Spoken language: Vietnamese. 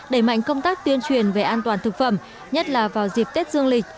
đẩy mạnh công tác tuyên truyền về an toàn thực phẩm nhất là vào dịp tết dương lịch